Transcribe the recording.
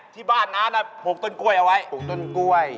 ที่บ้านน้านับ๖ต้นกล้วยเอาไว้๖ต้นกล้วย